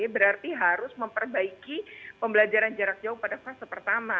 berarti harus memperbaiki pembelajaran jarak jauh pada fase pertama